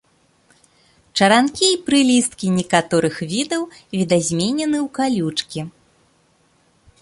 Чаранкі і прылісткі некаторых відаў відазменены ў калючкі.